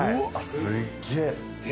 すっげえ。